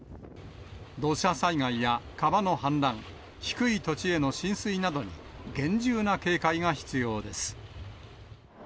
土砂災害や川の氾濫、低い土地への浸水などに厳重な警戒が必要です。